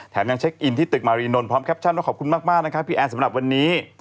ยังเช็คอินที่ตึกมารีนนท์พร้อมแคปชั่นว่าขอบคุณมากนะครับพี่แอนสำหรับวันนี้